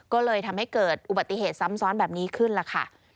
ก็เลยทำให้เกิดอุบัติเหตุซ้ำซ้อนแบบนี้ขึ้นล่ะค่ะ